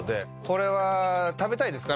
これは食べたいですか？